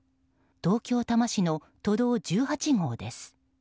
東京・多摩市の都道１８号です。